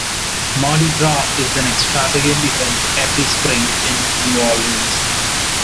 Mardi Gras is an extravagant event every spring in New Orleans.